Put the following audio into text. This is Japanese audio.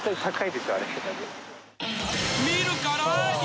［見るからに］